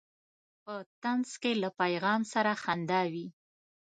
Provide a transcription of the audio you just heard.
په طنز کې له پیغام سره خندا وي.